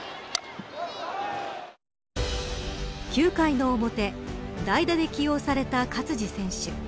９回の表代打で起用された勝児選手。